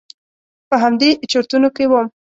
په همدې چرتونو کې وم.